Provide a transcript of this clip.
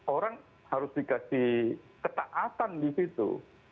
orang harus dikasih ketaatan di situ